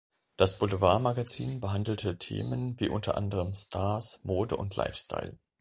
Das Boulevardmagazin behandelte Themen wie unter anderem Stars, Mode und Lifestyle.